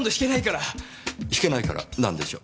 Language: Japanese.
弾けないから何でしょう？